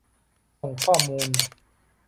ส่งข้อมูล